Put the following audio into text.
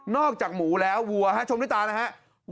จากหมูแล้ววัวชมด้วยตานะครับ